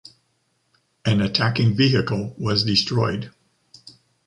An attacking vehicle was destroyed.